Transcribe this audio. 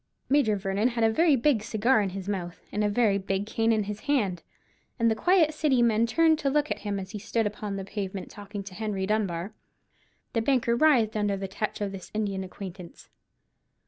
Major Vernon had a very big cigar in his mouth, and a very big cane in his hand, and the quiet City men turned to look at him as he stood upon the pavement talking to Henry Dunbar. The banker writhed under the touch of his Indian acquaintance.